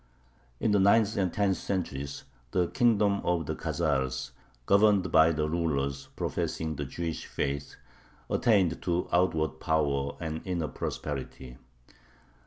In the ninth and tenth centuries, the kingdom of the Khazars, governed by rulers professing the Jewish faith, attained to outward power and inner prosperity.